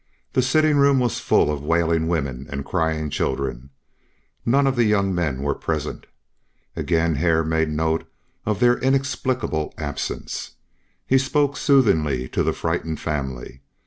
The sitting room was full of wailing women and crying children. None of the young men were present. Again Hare made note of their inexplicable absence. He spoke soothingly to the frightened family.